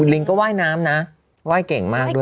ลิงก็ว่ายน้ำนะไหว้เก่งมากด้วย